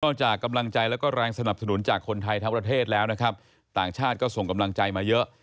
จากกำลังใจแล้วก็แรงสนับสนุนจากคนไทยทั้งประเทศแล้วนะครับต่างชาติก็ส่งกำลังใจมาเยอะ